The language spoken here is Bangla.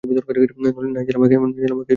নাইজেল, আমাকে একটু সাহায্য করবেন?